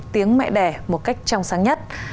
tiếng mẹ đẻ một cách trong sáng nhất